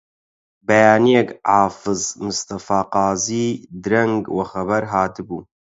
بەیانییەک حافز مستەفا قازی درەنگ وە خەبەر هاتبوو